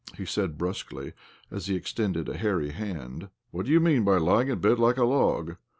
he said brusquely as he extended a hairy hand. " What do you mean by lying in bed like a log?